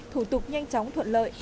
thủ tục nhanh chóng thuận lợi